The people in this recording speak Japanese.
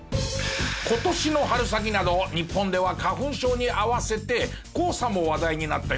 今年の春先など日本では花粉症に併せて黄砂も話題になったよね。